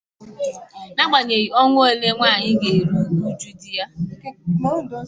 N'agbanyèghị ọnwa ole nwaanyị ga-eru uju di ya